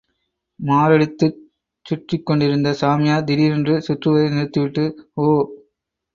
மாரடித்துச் சுற்றிக்கொண்டிருந்த சாமியார், திடீரென்று சுற்றுவதை நிறுத்திவிட்டு, ஒ!